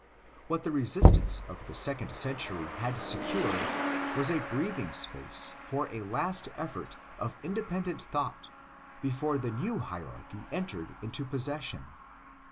What the resistance of the second century had secured was a breathing space for a last effort of independent thought before the new hierarchy entered into possession.